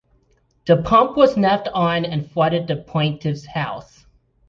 The pump was left on and flooded the plaintiff's house.